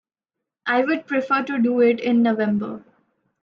I would prefer to do it in November.